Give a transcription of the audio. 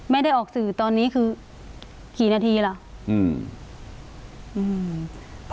ไม่ได้ออกสื่อตอนนี้คือกี่นาทีล่ะอืม